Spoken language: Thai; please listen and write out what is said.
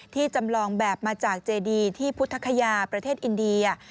จำลองแบบมาจากเจดีที่พุทธคยาประเทศอินเดีย